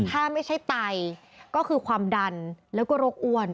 ถ้าไม่ใช่ไตก็คือความดันแล้วก็โรคอ้วน